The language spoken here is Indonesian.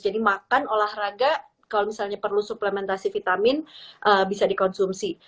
jadi makan olahraga kalau misalnya perlu suplementasi vitamin bisa dikonsumsi